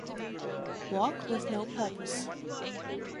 Walk with no purpose.